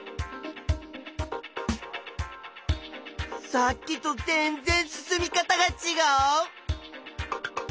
さっきと全然進み方がちがう。